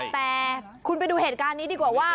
แต่คุณไปดูเหตุการณ์นี้ดีกว่าว่า